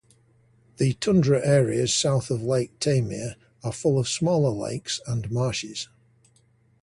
The tundra areas south of Lake Taymyr are full of smaller lakes and marshes.